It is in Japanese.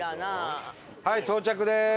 はい到着です。